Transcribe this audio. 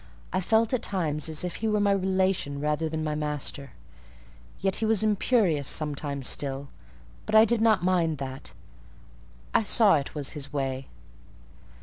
I felt at times as if he were my relation rather than my master: yet he was imperious sometimes still; but I did not mind that; I saw it was his way.